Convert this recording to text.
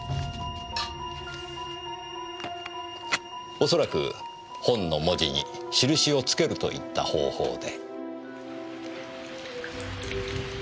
おそらく本の文字に印を付けるといった方法で。